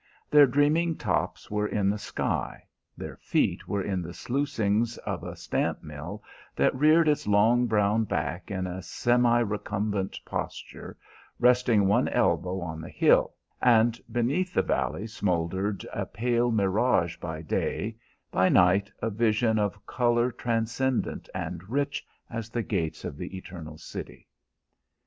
Their dreaming tops were in the sky; their feet were in the sluicings of the stamp mill that reared its long brown back in a semi recumbent posture, resting one elbow on the hill; and beneath the valley smouldered, a pale mirage by day, by night a vision of color transcendent and rich as the gates of the Eternal City.